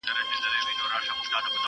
هغه ښار هغه مالت دی مېني تشي له سړیو!!